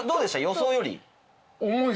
予想より。